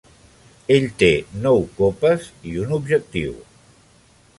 Ell té nou copes i un objectiu.